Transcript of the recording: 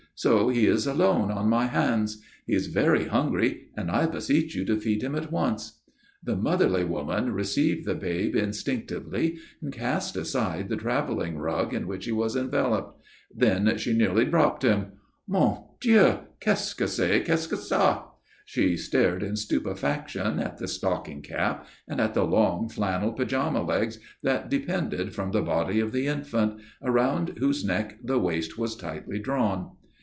So he is alone on my hands. He is very hungry, and I beseech you to feed him at once." The motherly woman received the babe instinctively and cast aside the travelling rug in which he was enveloped. Then she nearly dropped him. "Mon Dieu! Qu'est ce que c'est que ça?" She stared in stupefaction at the stocking cap and at the long flannel pyjama legs that depended from the body of the infant, around whose neck the waist was tightly drawn.